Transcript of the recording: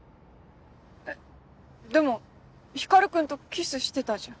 えっでも光君とキスしてたじゃん。